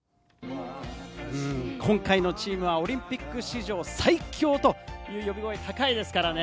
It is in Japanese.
今回のチームはオリンピック史上最強という呼び声高いですからね。